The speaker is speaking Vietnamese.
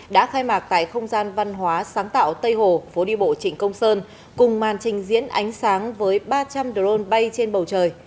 đã khai mạc tại không gian văn hóa sáng tạo tây hồ phố đi bộ trịnh công sơn cùng màn trình diễn ánh sáng với ba trăm linh drone bay trên bầu trời